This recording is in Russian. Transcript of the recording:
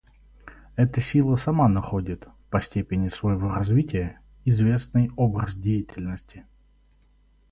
Эта сила сама находит, по степени своего развития, известный образ деятельности.